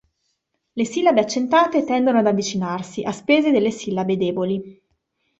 Le sillabe accentate tendono ad avvicinarsi, a spese delle sillabe deboli.